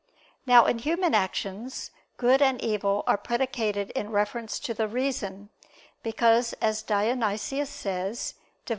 Now in human actions, good and evil are predicated in reference to the reason; because as Dionysius says (Div.